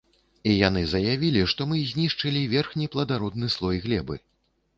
І яны заявілі, што мы знішчылі верхні пладародны слой глебы.